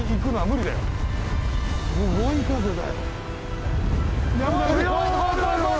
すごい風だよ。